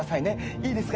いいですか？